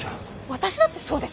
私だってそうです！